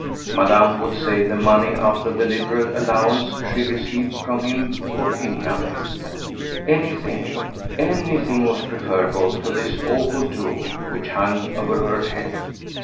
Madame would save the money out of the liberal allowance she received from him for pin money. Anything, anything was preferable to this awful doom which hung over her head.